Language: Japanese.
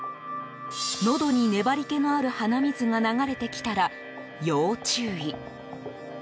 のどに粘り気のある鼻水が流れてきたら要注意。